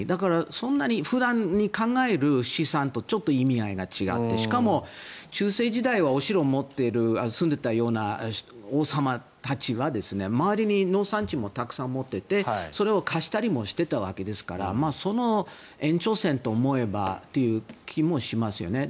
そんなに、普段考える資産とちょっと意味合いが違ってしかも中世時代はお城に住んでいたような王様たちは周りの産地もたくさん持っていてそれを貸したりもしていたわけですからその延長戦と思えばという気もしますね。